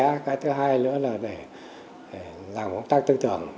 cái thứ hai nữa là để làm công tác tư tưởng